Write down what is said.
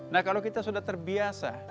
nah kalau kita sudah terbiasa